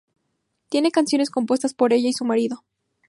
Tiene canciones compuestas por ella y su marido.